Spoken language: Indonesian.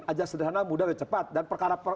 aja sederhana mudah aja cepat dan perkara